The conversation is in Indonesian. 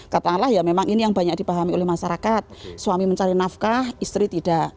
katakanlah ya memang ini yang banyak dipahami oleh masyarakat suami mencari nafkah istri tidak